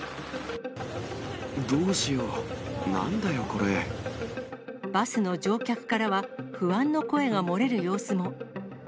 どうしよう、なんだよ、バスの乗客からは、不安の声が漏れる様子も。